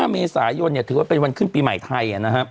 ๕เมษายนถือว่าเป็นวันขึ้นปีใหม่ไทย